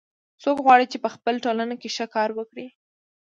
څوک غواړي چې په خپل ټولنه کې ښه کار وکړي